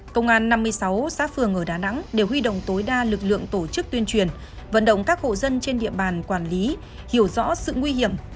công an năm mươi sáu xã phường ở đà nẵng đều huy động tối đa lực lượng tổ chức tuyên truyền vận động các hộ dân trên địa bàn quản lý hiểu rõ sự nguy hiểm